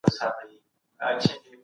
مينې زړونه سره نښلوي.